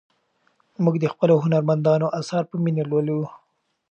موږ د خپلو هنرمندانو اثار په مینه لولو.